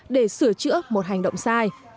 để sửa chữa một hành động sai